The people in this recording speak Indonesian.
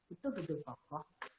itu beda pokok